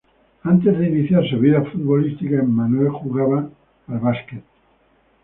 Antes de iniciar su vida futbolística, Emanuel jugaba al Basquet.